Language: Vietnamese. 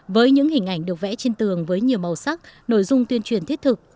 với những hình ảnh được vẽ trên tường với nhiều màu sắc nội dung tuyên truyền thiết thực